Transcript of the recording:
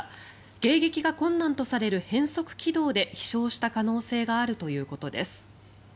迎撃が困難とされる変則軌道で飛翔した可能性があるということです。